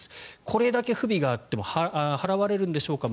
これだけ不備があっても払われるんでしょうか。